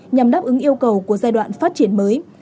nhằm đáp ứng yêu cầu của giai đoạn phát triển mới